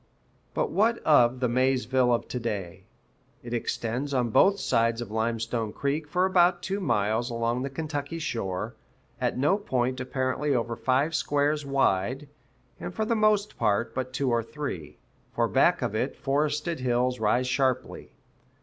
But what of the Maysville of to day? It extends on both sides of Limestone Creek for about two miles along the Kentucky shore, at no point apparently over five squares wide, and for the most part but two or three; for back of it forested hills rise sharply.